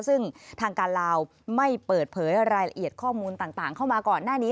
ซึ่งทางการลาวไม่เปิดเผยรายละเอียดข้อมูลต่างเข้ามาก่อนหน้านี้